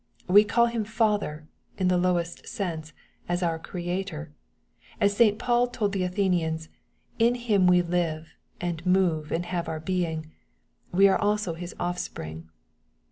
We call Him Father, in the lowest sense, as our Creator ; as St. Paul told the Athenians, " in him we live, and move, and have our being — ^we are also his offspring.